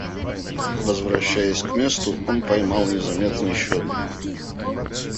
Возвращаясь к месту, он поймал незаметно еще одну моль.